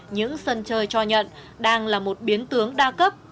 những sân chơi cho nhận đang là một biến tướng đa cấp